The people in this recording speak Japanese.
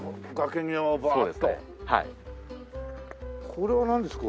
これはなんですか？